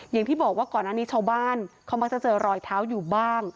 มันจะเขาบ้านเขมาเจอลอยเท้าอยู่บ้าง